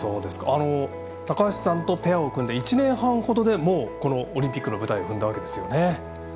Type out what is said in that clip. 高橋さんと、ペアを組んで１年半ほどでもう、このオリンピックの舞台踏んだわけですよね。